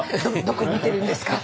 どこ見てるんですか？